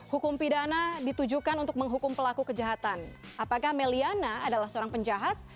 hukum pidana ditujukan untuk menghukum pelaku kejahatan apakah meliana adalah seorang penjahat